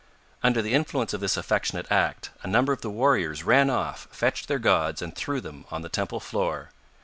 Under the influence of this affectionate act, a number of the warriors ran off, fetched their gods, and threw them on the temple floor.